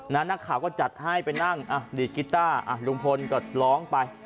นักข่าวก็จัดให้ไปนั่งดีดกีต้าลุงพลก็ร้องไป